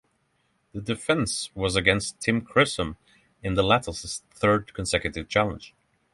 The defence was against Tim Chisholm in the latter's third consecutive challenge.